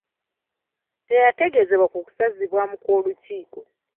Teyategeezebwa ku kusazibwamu kw'olukiiko.